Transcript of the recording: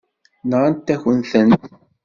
Nɣant-akent-tent.